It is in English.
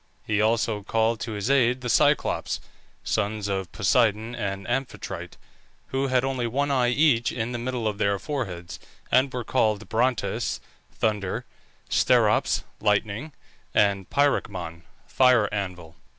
He also called to his aid the Cyclops (sons of Poseidon and Amphitrite), who had only one eye each in the middle of their foreheads, and were called Brontes (Thunder), Steropes (Lightning), and Pyracmon (Fire anvil).